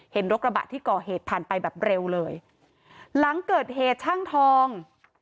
รถกระบะที่ก่อเหตุผ่านไปแบบเร็วเลยหลังเกิดเหตุช่างทอง